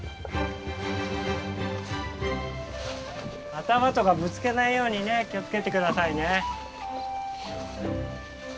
頭とかぶつけないようにね気を付けて下さいね。